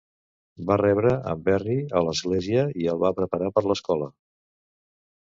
Va rebre en Berry a l"església i el va preparar per l"escola.